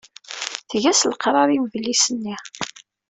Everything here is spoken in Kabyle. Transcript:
Tga-as leqrar i udlis-nni.